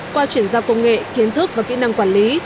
qua chuyển giao công nghệ kiến thức và kỹ năng quản lý